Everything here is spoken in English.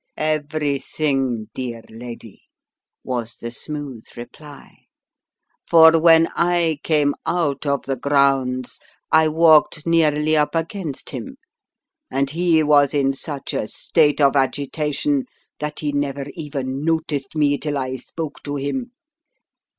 "Everything, dear lady," was the smooth reply, "for when I came out of the grounds I walked nearly up against him, and he was in such a state of agitation that he never even noticed me till I spoke to him!"